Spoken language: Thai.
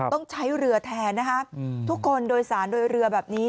ต้องใช้เรือแทนนะคะทุกคนโดยสารโดยเรือแบบนี้